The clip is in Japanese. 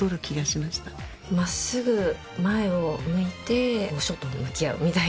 真っすぐ前を向いて書と向き合うみたいな。